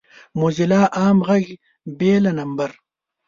موزیلا عام غږ بې له نمبر